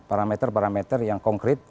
untuk parameter yang konkret